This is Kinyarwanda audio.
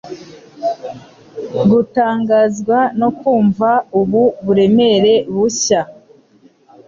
gutangazwa no kumva ubu buremere bushya